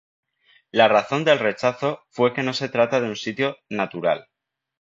La razón del rechazo fue que no se trata de un sitio "natural".